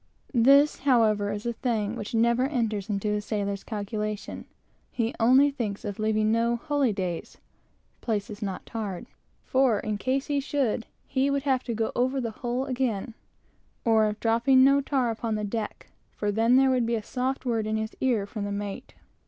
This, however, is a thing which never enters into a sailor's calculation. He thinks only of leaving no holydays, (places not tarred,) for in case he should, he would have to go over the whole again; or of dropping no tar upon deck, for then there would be a soft word in his ear from the mate.